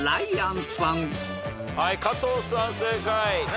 はい加藤さん正解。